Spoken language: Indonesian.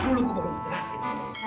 tuh dulu gue baru jelasin